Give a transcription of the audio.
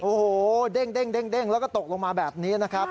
โอ้โหเด้งแล้วก็ตกลงมาแบบนี้นะครับ